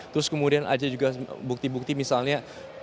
terus kemudian ada juga bukti bukti misalnya